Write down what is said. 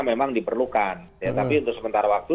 memang diperlukan tapi untuk sementara waktu